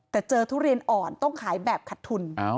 แต่เจอทุเรียนอ่อนต้องขายแบบขัดทุน